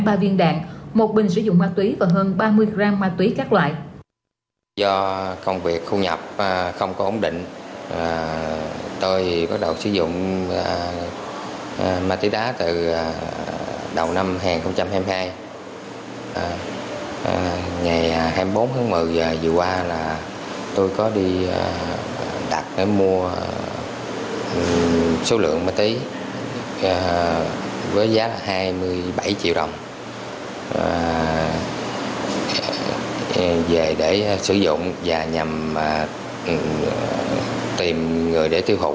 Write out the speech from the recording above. ba viên đàn một bình sử dụng ma túy và hơn ba mươi gram ma túy các loại